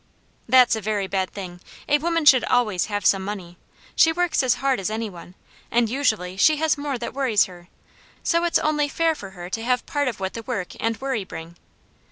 That's a very bad thing. A woman should always have some money. She works as hard as any one, and usually she has more that worries her, so it's only fair for her to have part of what the work and worry bring.